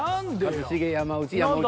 一茂山内山内一茂。